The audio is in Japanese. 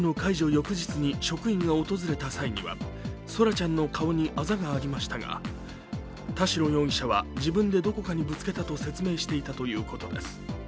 翌日に職員が訪れた際には空来ちゃんの顔にあざがありましたが田代容疑者は自分でどこかにぶつけたと説明していたということです。